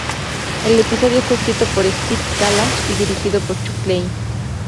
El episodio está escrito por Steve Callaghan y dirigido por Chuck Klein.